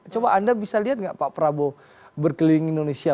coba anda bisa lihat nggak pak prabowo berkeliling indonesia